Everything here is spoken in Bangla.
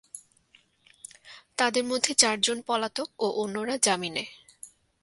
তাঁদের মধ্যে চারজন পলাতক ও অন্যরা জামিনে।